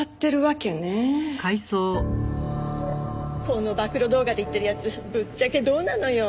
この暴露動画で言ってるやつぶっちゃけどうなのよ？